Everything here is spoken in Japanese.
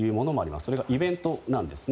それがイベントなんですね。